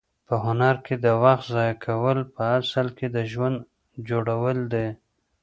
په هنر کې د وخت ضایع کول په اصل کې د ژوند جوړول دي.